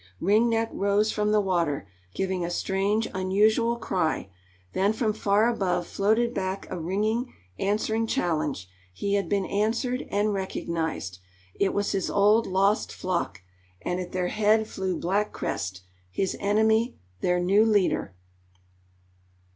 Ring Neck rose from the water, giving a strange, unusual cry, then from far above floated back a ringing, answering challenge; he had been answered, and recognized. It was his old, lost flock, and at their head flew Black Crest, his enemy, their new leader.